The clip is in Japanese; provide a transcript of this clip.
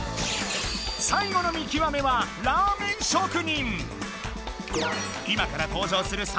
最後の見極めは「ラーメン職人」。